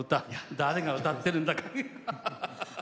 誰が歌っているんだか。